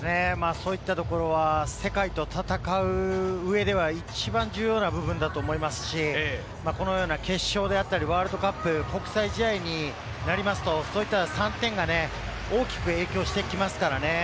そういったところは世界と戦う上では一番重要な部分だと思いますし、このような決勝であったり、ワールドカップ国際試合になりますと、そういった３点がね、大きく影響してきますからね。